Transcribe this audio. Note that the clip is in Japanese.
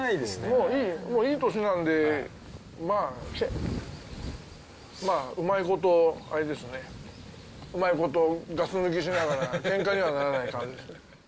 もういい年なんで、まあ、うまいこと、あれですね、うまいこと、ガス抜きしながら、けんかにはならない。